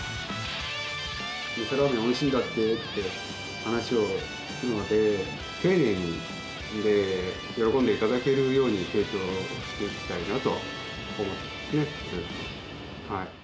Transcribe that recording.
みそらーめんおいしいんだっていう話を聞くので、丁寧に、喜んでいただけるように提供していきたいなと思ってますね。